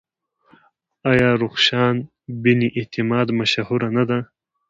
آیا رخشان بني اعتماد مشهوره نه ده؟